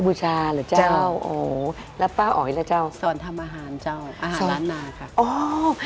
กรูผู้สืบสารล้านนารุ่นแรกแรกรุ่นเลยนะครับผม